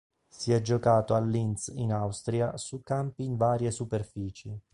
Si è giocato a Linz in Austria su campi in varie superfici.